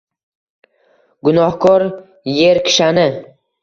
Gunohkor yer kishani.